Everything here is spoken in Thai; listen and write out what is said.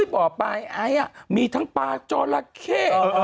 บ่อปลาไอ้มีทั้งปลาจอลาเค